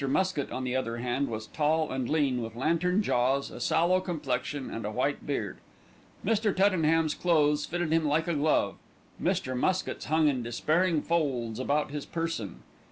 Muskett, on the other hand, was tall and lean with lantern jaws, a sallow complexion and a white beard. Mr. Tuddenham's clothes fitted him like a glove; Mr. Muskett's hung in despairing folds about his person.